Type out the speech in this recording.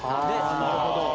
なるほど。